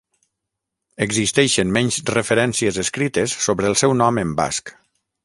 Existeixen menys referències escrites sobre el seu nom en basc.